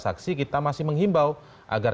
saksi kita masih menghimbau agar